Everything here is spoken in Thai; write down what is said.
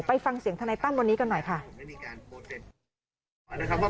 ฟังเสียงทนายตั้มวันนี้กันหน่อยค่ะ